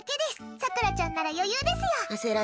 さくらちゃんなら余裕ですよ。